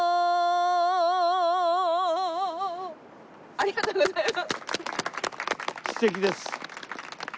ありがとうございます。